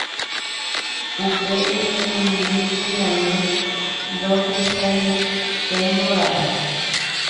upe imembykuñami ndohechaietémbora'e.